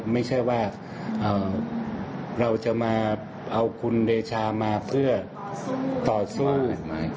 ไม่ใช่ว่าเราจะมาเอาคุณเดชามาเพื่อต่อสู้